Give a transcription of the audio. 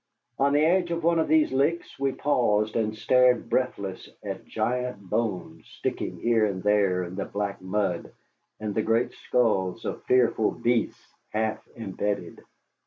On the edge of one of these licks we paused and stared breathless at giant bones sticking here and there in the black mud, and great skulls of fearful beasts half embedded.